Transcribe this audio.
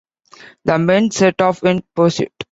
The men set off in pursuit.